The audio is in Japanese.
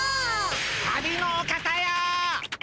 旅のお方よ！